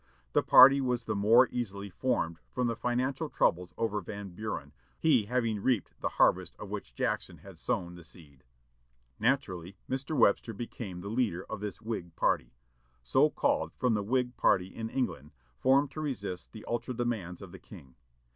The party was the more easily formed from the financial troubles under Van Buren, he having reaped the harvest of which Jackson had sown the seed. Naturally, Mr. Webster became the leader of this Whig party, so called from the Whig party in England, formed to resist the ultra demands of the king.